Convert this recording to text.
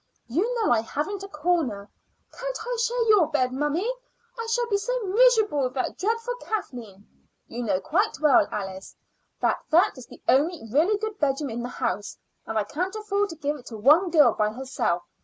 "You know I haven't a corner." "Can't I share your bed, mummy? I shall be so miserable with that dreadful Kathleen." "You know quite well, Alice, that that is the only really good bedroom in the house, and I can't afford to give it to one girl by herself.